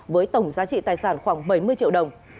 với tổng giá trị tài sản khoảng bảy mươi triệu đồng